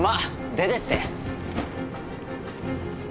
出てって！